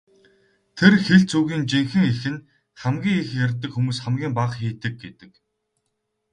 Тэр хэлц үгийн жинхэнэ эх нь "хамгийн их ярьдаг хүмүүс хамгийн бага хийдэг" гэдэг.